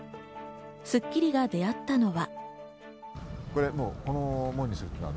『スッキリ』が出会ったのは。